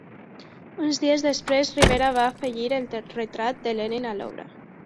Uns dies després Rivera va afegir el retrat de Lenin a l'obra.